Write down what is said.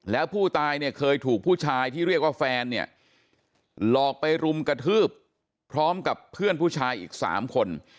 แล้วผู้ตายเนี่ยเคยถูกผู้ชายที่เรียกว่าแฟนเนี่ยหลอกไปรุมกระทืบพร้อมกับเพื่อนผู้ชายอีก๓คน